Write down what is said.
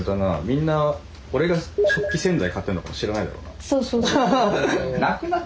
みんな俺が食器洗剤買ってるのって知らないだろうな。